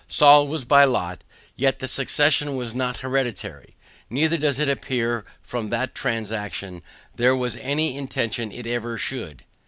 Saul was by lot, yet the succession was not hereditary, neither does it appear from that transaction there was any intention it ever should.